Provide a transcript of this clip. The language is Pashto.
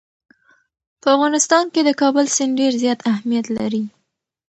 په افغانستان کې د کابل سیند ډېر زیات اهمیت لري.